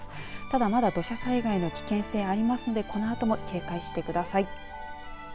ただ、まだ土砂災害の危険性ありますので、このあとも警戒してください。